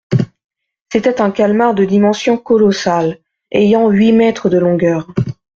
C'était un calmar de dimensions colossales, ayant huit mètres de longueur.